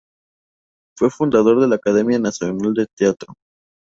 Fue fundador de la Academia Nacional de Teatro.